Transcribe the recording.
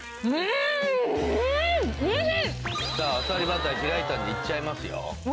バター開いたのでいっちゃいますよ。